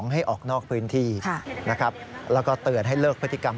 ให้ออกนอกพื้นที่นะครับแล้วก็เตือนให้เลิกพฤติกรรม